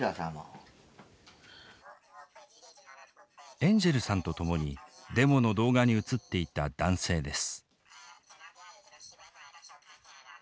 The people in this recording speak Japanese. エンジェルさんと共にデモの動画に映っていた男性です。